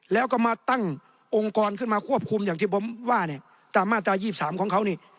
แล้วก็มาตั้งองค์กรขึ้นมาควบคุมอย่างที่ผมว่าเนี่ยตามมาตรา๒๓ของเขานี่